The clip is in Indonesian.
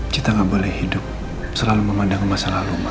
kita nggak boleh hidup selalu memandang masa lalu